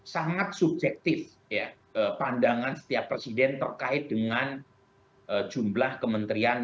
sangat subjektif pandangan setiap presiden terkait dengan jumlah kementerian